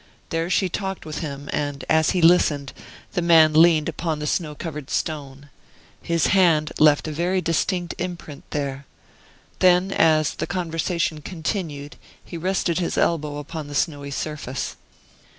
There she talked with him, and, as he listened, the man leaned upon the snow covered stone. His hand left a very distinct imprint there. Then, as the conversation continued, he rested his elbow upon the snowy surface."